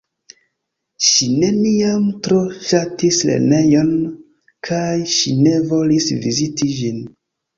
Ŝi neniam tro ŝatis lernejon kaj ŝi ne volis viziti ĝin.